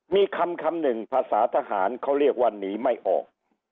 มีคำหนึ่งภาษาทหารเขาเรียกว่าหนีไม่ออก